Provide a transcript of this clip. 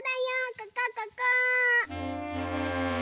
ここここ！